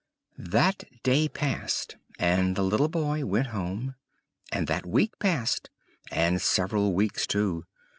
That day passed, and the little boy went home, and that week passed, and several weeks too.